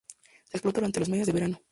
Se explota durante los meses de verano.